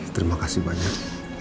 terima kasih banyak